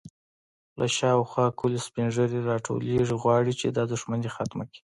_له شاوخوا کليو سپين ږيرې راټولېږي، غواړي چې دا دښمنې ختمه کړي.